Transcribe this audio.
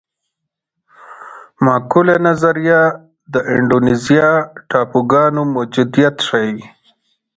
معقوله نظریه د اندونیزیا ټاپوګانو موجودیت ښيي.